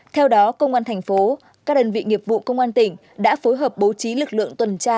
theo đó công an thành phố các đơn vị nghiệp vụ công an tỉnh đã phối hợp bố trí lực lượng tuần tra